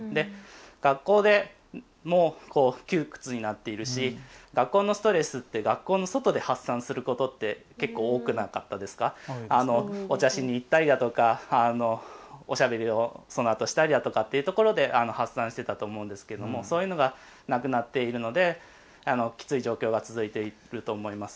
学校でも窮屈になっているし学校のストレスって学校の外で発散することって結構、多かったんですがお茶しに行ったりとかおしゃべりをそのあとしたりとかで発散していたと思うんですけどそういうのがなくなっていると思うのできつい状況が続いていると思います。